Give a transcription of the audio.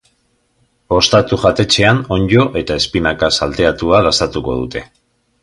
Ostatu jatetxean onddo eta espinaka salteatua dastatuko dute.